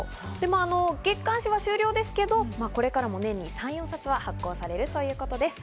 月刊誌は終了ですけど、これからも年に３４冊は発行されるということです。